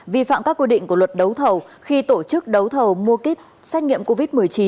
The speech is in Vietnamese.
vi phạm các quy định của luật đấu thầu khi tổ chức đấu thầu mua kit xét nghiệm covid một mươi chín